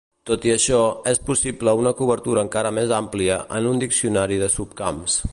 Tot i això, és possible una cobertura encara més àmplia en un diccionari de subcamps.